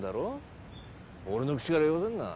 俺の口から言わせんな。